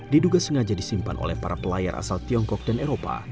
diduga sengaja disimpan oleh para pelayar asal tiongkok dan eropa